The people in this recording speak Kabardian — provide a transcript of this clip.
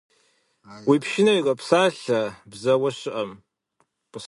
Уи пшынэр иропсалъэ бзэуэ щыӀэм.